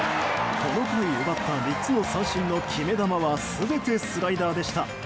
この回に奪った３つの三振の決め球は全てスライダーでした。